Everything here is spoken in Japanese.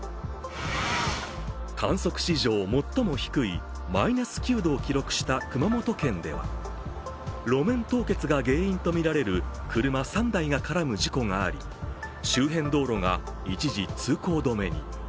観測史上最も低いマイナス９度を記録した熊本県では、路面凍結が原因とみられる車３台が絡む事故があり周辺道路が一時通行止めに。